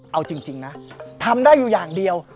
เอาจริงนะทำได้อยู่อย่างเดียว